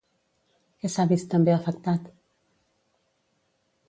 Què s'ha vist també afectat?